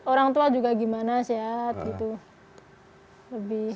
orang tua juga gimana sehat gitu